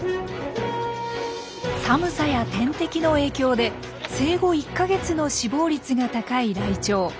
寒さや天敵の影響で生後１か月の死亡率が高いライチョウ。